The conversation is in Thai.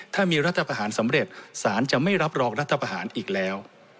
ถ้ามีรัฐประหารสำเร็จสารจะไม่รับรองรัฐประหารอีกแล้ว